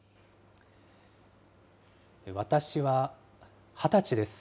私は２０歳です。